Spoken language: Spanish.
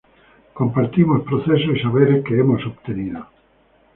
compartimos procesos y saberes que hemos obtenido